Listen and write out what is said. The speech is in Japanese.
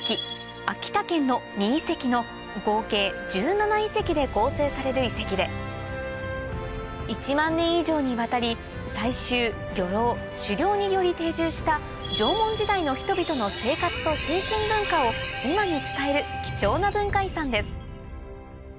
秋田県の２遺跡の合計１７遺跡で構成される遺跡で１万年以上にわたりにより定住した縄文時代の人々の生活と精神文化を今に伝える貴重な文化遺産です